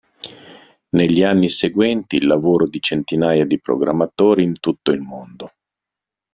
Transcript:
Negli anni seguenti il lavoro di centinaia di programmatori in tutto il mondo.